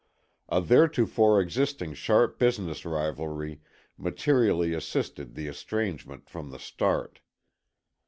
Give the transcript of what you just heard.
A theretofore existing sharp business rivalry materially assisted the estrangement from the start.